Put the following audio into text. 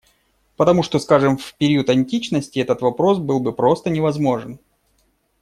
Потому, что, скажем, в период античности этот вопрос был бы просто невозможен.